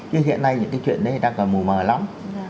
chứ hiện nay những cái chuyện đấy đang còn mù mờ lắm